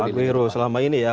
aguero selama ini ya